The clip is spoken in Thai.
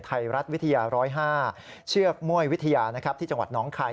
ไทยรัฐวิทยา๑๐๕เชือกม่วยวิทยาที่จังหวัดน้องคาย